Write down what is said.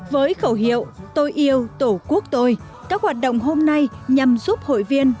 với khẩu hiệu tôi yêu tổ quốc tôi các hoạt động hôm nay nhằm giúp hội viên